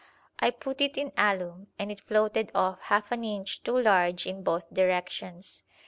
I put it in alum, and it floated off half an inch too large in both directions.